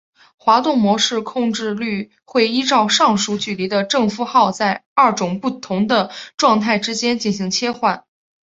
滑动模式控制律会依照上述距离的正负号在二种不同的状态之间进行切换。